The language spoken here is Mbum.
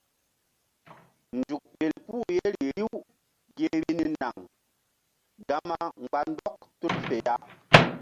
Nzuk ɓel puh yeri riw gi vbi ni naŋ gama mgba ndɔk tul fe ya.